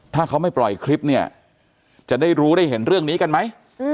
ถ้าเขาไม่ปล่อยคลิปเนี่ยจะได้รู้ได้เห็นเรื่องนี้กันไหม